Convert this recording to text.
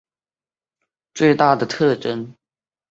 这部车最大的特征就是机械结构与引擎的置放位子。